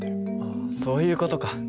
あそういう事か。